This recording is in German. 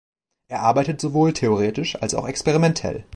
Er arbeitet sowohl theoretisch als auch experimentell.